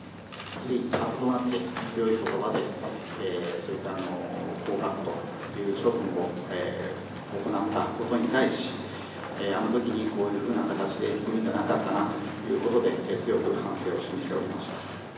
つい、かっとなって強いことばで、そういった降格という処分を行ったことに対し、あのときに、こういうふうな形で言うんじゃなかったなということで、強く反省を示しておりました。